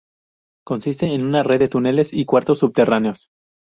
Consiste en una red de túneles y cuartos subterráneos.